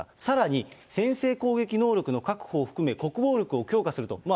さらに、先制攻撃能力の確保を含め、国防力を強化すると。